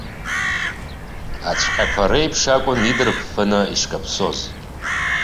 Аҵәаҟьақәа реиԥш акәын идырԥԥаны ишкаиԥсоз.